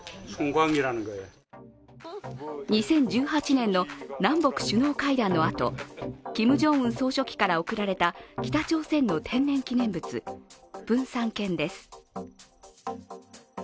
２０１８年の南北首脳会談のあと、キム・ジョンウン総書記から贈られた北朝鮮の天然記念物、プンサン犬です。